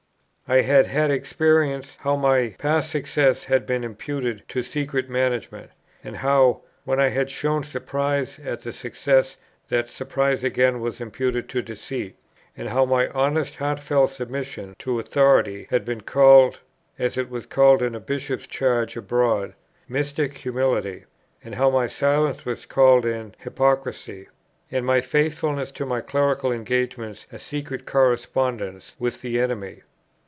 I had had experience how my past success had been imputed to "secret management;" and how, when I had shown surprise at that success, that surprise again was imputed to "deceit;" and how my honest heartfelt submission to authority had been called, as it was called in a Bishop's charge abroad, "mystic humility;" and how my silence was called an "hypocrisy;" and my faithfulness to my clerical engagements a secret correspondence with the enemy.